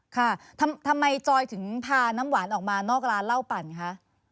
ค่ะทำไมจอยถึงพาน้ำหวานออกมานอกร้านเหล้าปั่นคะ